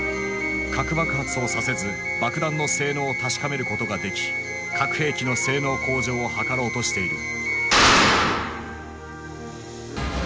核爆発をさせず爆弾の性能を確かめることができ核兵器の性能向上を図ろうとしている。